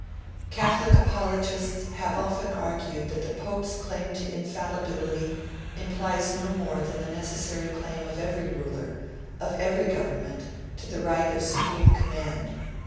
Catholic apologists have often argued that the Pope's claim to infallibility implies no more than the necessary claim of every ruler, of every government, to the right of supreme command.